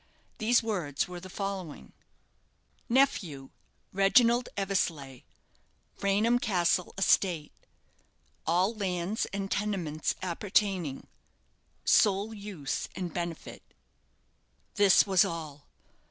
These words were the following: " Nephew, Reginald Eversleigh Raynham Castle estate all lands and tenements appertaining sole use and benefit " This was all.